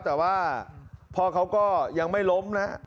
แต่ว่าพ่อเขาก็ยังไม่ล้มนะ